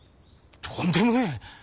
とんでもねえ！